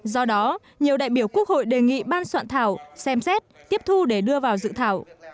do đó nhiều đại biểu quốc hội đề nghị ban soạn thảo xem xét tiếp thu để đưa vào dự thảo